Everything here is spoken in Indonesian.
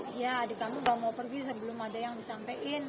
ya di kampung gak mau pergi sebelum ada yang disampein